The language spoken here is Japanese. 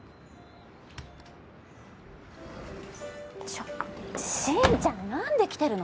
ちょっ進ちゃんなんで来てるの？